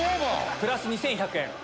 プラス２１００円。